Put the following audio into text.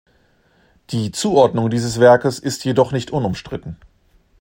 Die Zuordnung dieses Werkes ist jedoch nicht unumstritten.